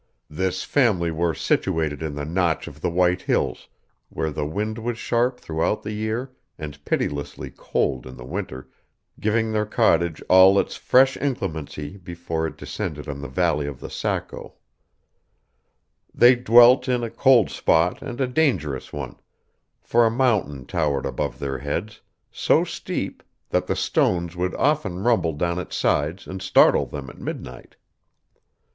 (This family were situated in the Notch of the White Hills, where the wind was sharp throughout the year, and pitilessly cold in the winter giving their cottage all its fresh inclemency before it descended on the valley of the Saco) They dwelt in a cold spot and a dangerous one; for a mountain towered above their heads, so steep, that the stones would often rumble down its sides and startle them at midnight.